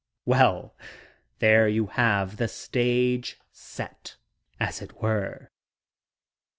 Well, there you have the stage set, as it were.